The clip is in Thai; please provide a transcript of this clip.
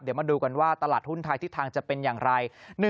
เดี๋ยวมาดูกันว่าตลาดหุ้นไทยทิศทางจะเป็นอย่างไร